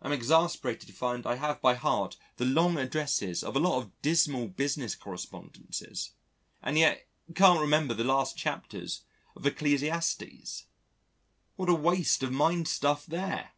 I am exasperated to find I have by heart the long addresses of a lot of dismal business correspondents and yet can't remember the last chapters of Ecclesiastes: what a waste of mind stuff there!